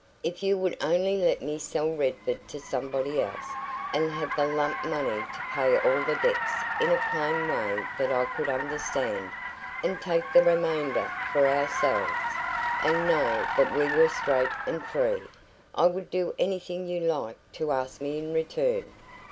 "If you would only let me sell Redford to somebody else, and have the lump money to pay all the debts in a plain way that I could understand, and take the remainder for ourselves, and know that we were straight and free, I would do anything you liked to ask me in return!"